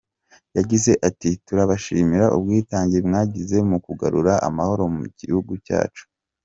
Yagize ati: “Turabashimira ubwitange mwagize mu kugarura amahoro mu gihugu cyacu.